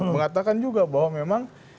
mengatakan juga bahwa memang